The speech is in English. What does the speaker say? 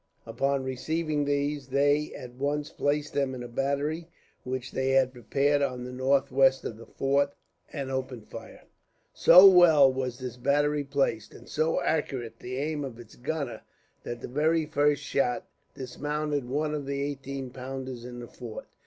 Upon receiving these, they at once placed them in a battery which they had prepared on the northwest of the fort, and opened fire. So well was this battery placed, and so accurate the aim of its gunner, that the very first shot dismounted one of the eighteen pounders in the fort.